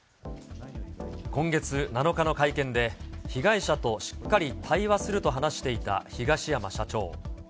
今月７日の会見で、被害者としっかり対話すると話していた東山社長。